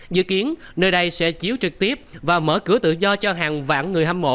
dự kiến nơi đây sẽ chiếu trực tiếp và mở cửa tự do cho hàng vạn người hâm mộ